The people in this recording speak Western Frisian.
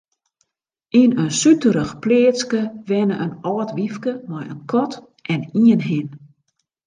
Yn in suterich pleatske wenne in âld wyfke mei in kat en ien hin.